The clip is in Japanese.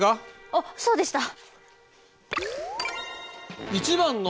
あっそうでした。